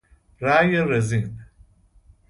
رأی رزین